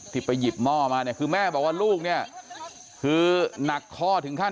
ไปหยิบหม้อมาเนี่ยคือแม่บอกว่าลูกเนี่ยคือหนักข้อถึงขั้น